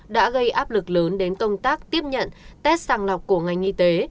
đã gây áp lực lớn đến công tác tiếp nhận test sàng lọc của ngành y tế